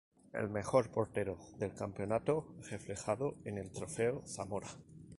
El mejor portero del campeonato, reflejado en el trofeo Zamora.